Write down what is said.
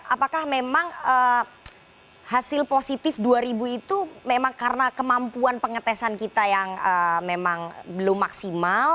apakah memang hasil positif dua ribu itu memang karena kemampuan pengetesan kita yang memang belum maksimal